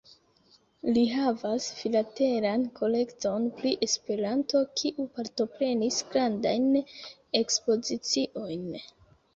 Li havas filatelan kolekton pri Esperanto, kiu partoprenis grandajn ekspoziciojn.